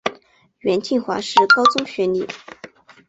袁敬华是高中学历。